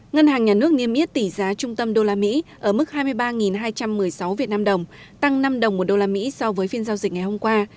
ngân hàng nhà nước niêm yết tỷ giá trung tâm đô la mỹ ở mức hai mươi ba hai trăm một mươi sáu việt nam đồng tăng năm đồng một đô la mỹ so với phiên giao dịch ngày hôm qua